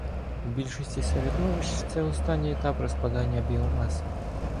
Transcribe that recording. У більшості середовищ це останній етап розкладання біомаси.